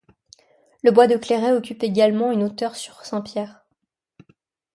Le bois de Clairet occupe également une hauteur sur Saint-Pierre.